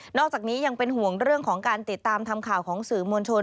อกจากนี้ยังเป็นห่วงเรื่องของการติดตามทำข่าวของสื่อมวลชน